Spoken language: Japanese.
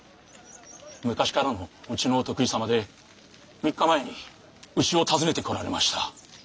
昔からのうちのお得意様で３日前にうちを訪ねてこられました。